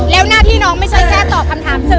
แล้วหน้าที่น้องไม่ใช่แค่ตอบคำถามสื่อ